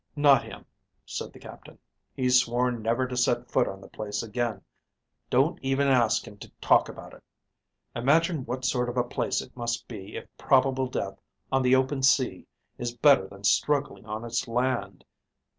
"Not him," said the captain. "He's sworn never to set foot on the place again. Don't even ask him to talk about it. Imagine what sort of a place it must be if probable death on the open sea is better than struggling on its land.